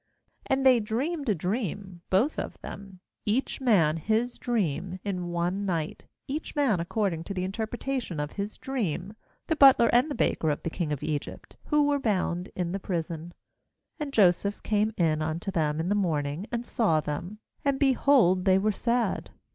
6And they dreamed a dream both of them, each man his dream, in one night, each man according to the interpreta tion of his dream, the butler and the baker of the king of Egypt, who were bound in the prison. 6And Joseph came in unto them in the morning, and saw them, and, behold, they were sad.